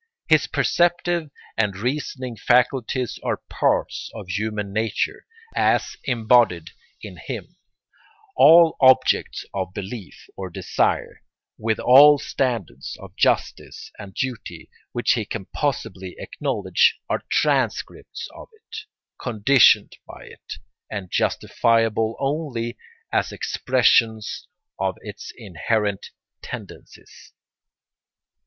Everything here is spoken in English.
His perceptive and reasoning faculties are parts of human nature, as embodied in him; all objects of belief or desire, with all standards of justice and duty which he can possibly acknowledge, are transcripts of it, conditioned by it, and justifiable only as expressions of its inherent tendencies.